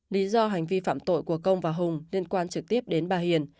lý do hành vi phạm tội của công và hùng liên quan trực tiếp đến bà hiền